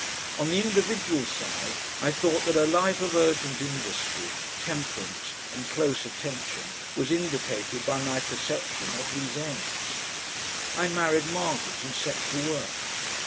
On the individual side I thought that a life of urgent industry, temperance, and close attention was indicated by my perception of these ends. I married Margaret and set to work.